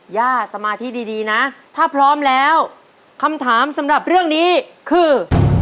ย่าสมาธิดีนะถ้าพร้อมแล้วคำถามสำหรับเรื่องนี้คือ